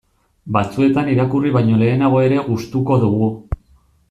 Batzuetan irakurri baino lehenago ere gustuko dugu.